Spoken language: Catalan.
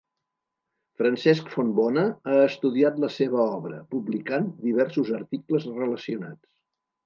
Francesc Fontbona ha estudiat la seva obra, publicant diversos articles relacionats.